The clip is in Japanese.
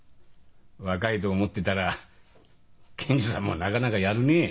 若いと思ってたら検事さんもなかなかやるねえ。